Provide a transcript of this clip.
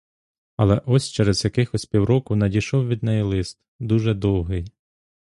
Але ось через якихось півроку надійшов від неї лист дуже довгий.